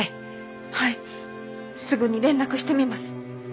はいすぐに連絡してみます。